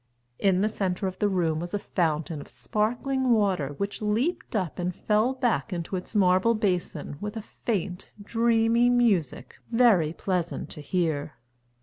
In the centre of the room was a fountain of sparkling water which leaped up and fell back into its marble basin with a faint, dreamy music very pleasant to hear.